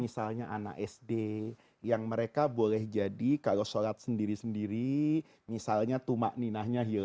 misalnya anak sd yang mereka boleh jadi kalau sholat sendiri sendiri misalnya tumak ninahnya hilang